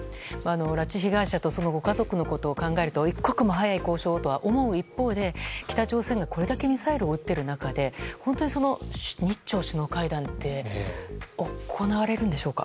拉致被害者とそのご家族のことを考えると一刻も早い交渉をと思う一方で北朝鮮がこれだけミサイルを撃っている中で本当に日朝首脳会談って行われるんでしょうか。